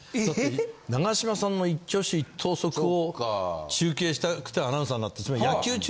長嶋さんの一挙手一投足を中継したくてアナウンサーなった。